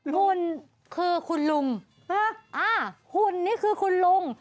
หุ่นคือคุณลุงหุ่นนี่คือคุณลุง